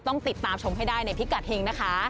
ต้องติดตามชมให้ได้ในพิกัดเฮงนะคะ